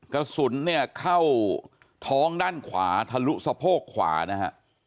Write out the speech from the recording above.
กระสุนเนี่ยเข้าท้องด้านขวาทะลุสะโพกขวานะฮะ